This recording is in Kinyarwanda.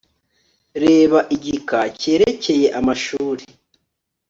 reba igika cyerekeye amashuri